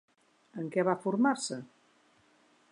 En què va formar-se?